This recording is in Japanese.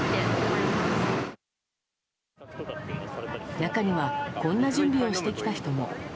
中にはこんな準備をしてきた人も。